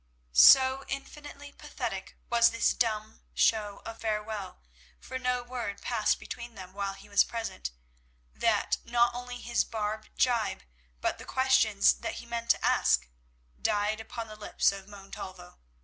So infinitely pathetic was this dumb show of farewell, for no word passed between them while he was present, that not only his barbed gibes, but the questions that he meant to ask, died upon the lips of Montalvo.